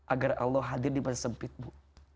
agar allah hadir di masa sempitmu